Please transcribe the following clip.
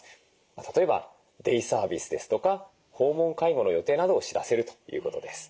例えばデイサービスですとか訪問介護の予定などを知らせるということです。